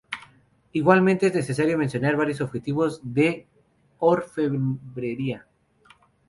Igualmente es necesario mencionar varios objetos de orfebrería.